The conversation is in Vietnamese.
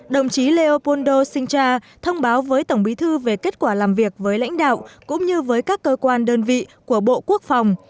đồng chí leopoldo sincha thông báo với tổng bí thư về kết quả làm việc với lãnh đạo cũng như với các cơ quan đơn vị của bộ quốc phòng